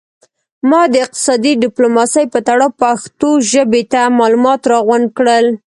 ما د اقتصادي ډیپلوماسي په تړاو پښتو ژبې ته معلومات را غونډ کړل